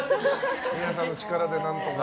皆さんの力で何とか。